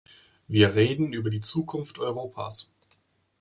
Wir reden über die Zukunft Europas.